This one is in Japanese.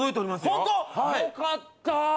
よかった。